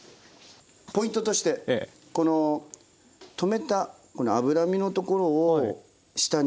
ポイントとしてこのとめたこの脂身のところを下にします。